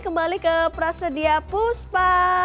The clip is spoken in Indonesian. kembali ke prasedia puspa